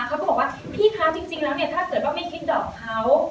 เขาก็บอกว่าพี่คะจริงแล้วเนี่ยถ้าเกิดว่าไม่คิดดอกเขา